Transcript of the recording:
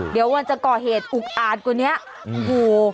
เดี๋ยวมันจะก่อเหตุอุกอาจกว่านี้โอ้โห